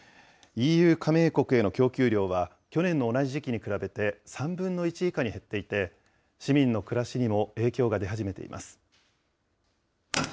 ＥＵ加盟国への供給量は、去年の同じ時期に比べて３分の１以下に減っていて、市民の暮らしにも影響が出始めています。